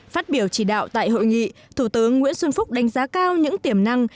phát biểu chỉ đạo tại hội nghị thủ tướng nguyễn xuân phúc đánh giá cao những tiềm năng